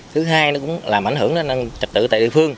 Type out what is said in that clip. thứ hai nó cũng làm ảnh hưởng đến trật tự tại địa phương